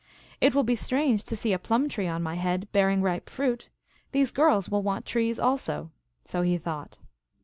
" It will be strange to see a plum tree on my head, bearing ripe fruit. These girls will want trees also." So he thought.